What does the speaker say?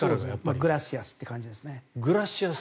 グラシアスっていう感じですね。